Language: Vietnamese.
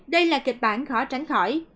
đây là kịch bản khó tránh khỏi